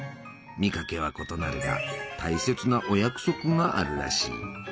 見かけは異なるが大切なお約束があるらしい。